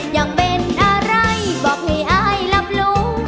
อยากเป็นอะไรบอกให้อายรับรู้